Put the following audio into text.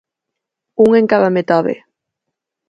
Un en cada metade.